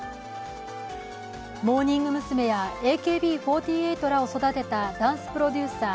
モーニング娘やＡＫＢ４８らを育てたダンスプロデューサー